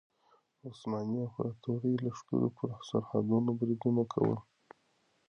د عثماني امپراطورۍ لښکرو پر سرحدونو بریدونه کول.